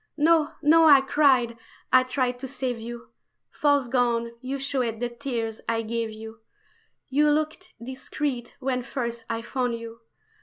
"No, no!" I cried, I tried to save you False gown, you showed the tears I gave you! You looked discreet when first I found you.